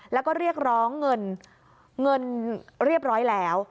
แล้วก็เรียกร้องเงินเงินเรียบร้อยแล้ว